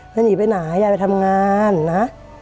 ไม่หนีไปหนาให้ยายไปทำงานนะ